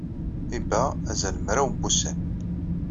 Iba azal n mraw n wussan.